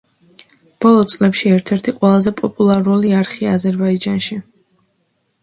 ბოლო წლებში ერთ-ერთი ყველაზე პოპულარული არხია აზერბაიჯანში.